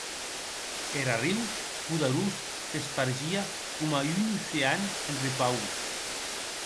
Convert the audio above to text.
Er arriu poderós s'espargie coma un ocean en repaus.